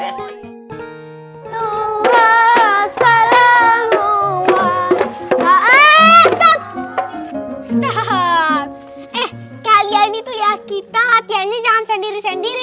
eh kalian itu ya kita latihannya jangan sendiri sendiri